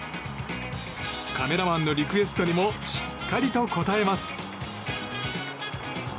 カメラマンのリクエストにもしっかりと応えます。